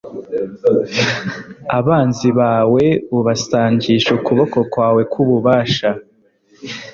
abanzi bawe ubasanjisha ukuboko kwawe k’ububasha